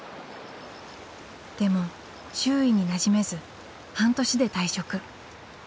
でも周囲になじめず半年で退職。